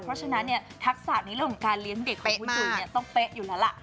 เพราะฉะนั้นเนี่ยทักษะในเรื่องของการเลี้ยงเด็กของคุณจุ๋ยต้องเป๊ะอยู่แล้วล่ะ